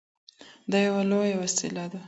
دا يوه لويه وسيله ده.